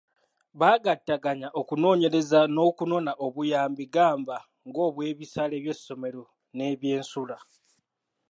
Baagattaganya okunoonyereza n’okunona obuyambi gamba ng’obwebisale by’essomero n’ebyensula.